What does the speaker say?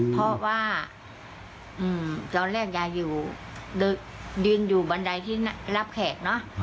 เพราะว่าตอนแรกยายยืนอยู่บันไดที่รับแขกเนอะ